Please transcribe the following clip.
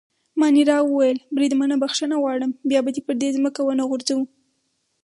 مانیرا وویل: بریدمنه بخښنه غواړم، بیا به دي پر مځکه ونه غورځوو.